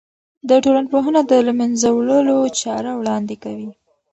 د ټولنپوهنه د له منځه وړلو چاره وړاندې کوي.